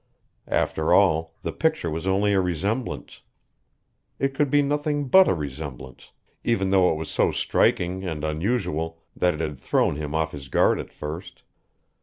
After all, the picture was only a resemblance. It could be nothing but a resemblance, even though it was so striking and unusual that it had thrown him off his guard at first.